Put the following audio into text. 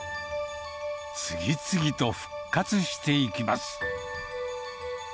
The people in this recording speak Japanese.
次々と復活していきます。